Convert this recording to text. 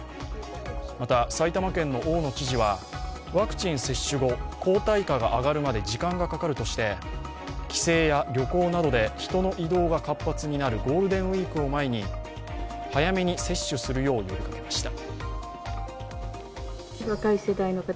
また、埼玉県の大野知事は、ワクチン接種後、抗体価が上がるまで時間がかかるとして帰省や旅行などで人の移動が活発になるゴールデンウイークを前に早めに接種するよう呼びかけました。